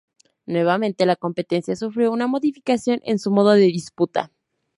Nuevamente la competencia sufrió una modificación en su modo de disputa.